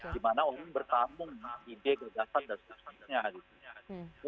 di mana orang bertamung ide gagasan dan sebagainya gitu